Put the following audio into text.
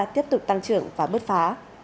tiếp tục tăng trưởng và bước phá